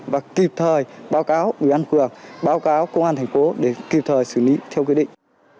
và kịp thời báo cáo ủy ban phường báo cáo công an thành phố để kịp thời xử lý theo quy định